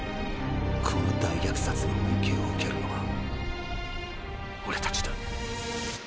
この大虐殺の恩恵を受けるのは俺たちだ。